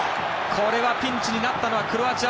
これはピンチになったのはクロアチア。